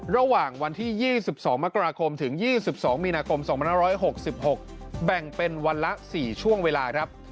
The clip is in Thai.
ระหว่างวันที่๒๒มกราคมถึง๒๒มีนาคม๒๕๖๖แบ่งเป็นวันละ๔ช่วงเวลาครับ